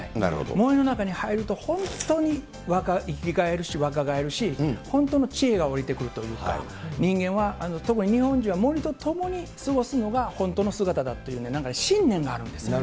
森の中に入ると、本当に生き返るし、若返るし、本当の知恵が降りてくるというか、人間は、とくににっぽんじんは森とともに過ごすのが本当の姿だというね、なんか信念があるんですね。